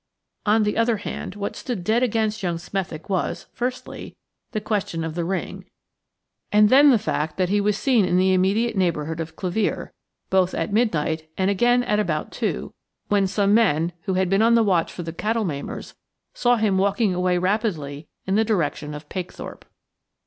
On the other hand, what stood dead against young Smethick was, firstly, the question of the ring, and then the fact that he was seen in the immediate neighbourhood of Clevere, both at midnight and again at about two, when some men, who had been on the watch for the cattle maimers, saw him walking away rapidly in the direction of Pakethorpe.